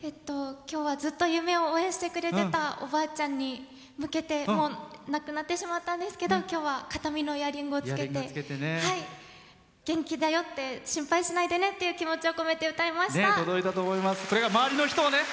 今日はずっと夢を応援してくれてたおばあちゃんに向けて、もう亡くなってしまったんですけど今日は肩身のイヤリングをつけて元気だよって心配しないでねって気持ちを込めて歌いました。